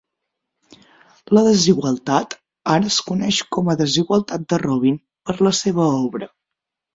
La desigualtat ara es coneix com a desigualtat de Robin per la seva obra.